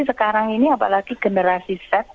sekarang ini apalagi generasi z